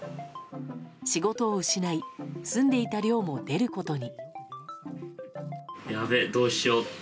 仕事を失い住んでいた寮も出ることに。